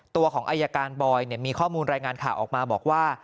ตัวของอายการบอยมีข้อมูลรายงานข่าวออกมาบอกว่า